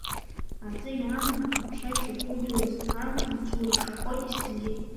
Аӡы иаанаго аԥша ишаго удыруаз, амц мцурашахоит есқьынгьы.